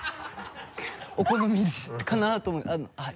お好みかなとはい。